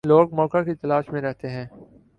لوگ موقع کی تلاش میں رہتے ہیں۔